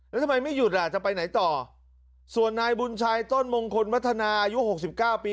แล้วทำไมไม่หยุดอ่ะจะไปไหนต่อส่วนนายบุญชัยต้นมงคลวัฒนาอายุหกสิบเก้าปี